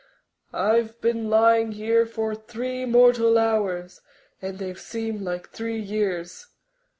I've been lying here for three mortal hours and they've seemed like three years.